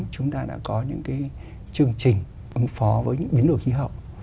chúng ta đã có những chương trình ứng phó với những biến đổi khí hậu